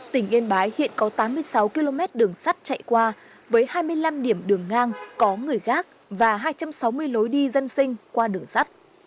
tỉnh yên bái hiện có tám mươi sáu km đường sắt chạy qua với hai mươi năm điểm đường ngang có người gác và hai trăm sáu mươi lối đi dân sinh qua đường sắt